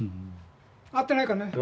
会ってないからね。